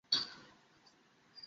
অবশ্য, তিনিই ঠিক।